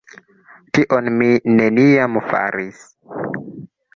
Tion mi neniam faris.